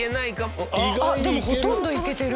あっでもほとんどいけてる。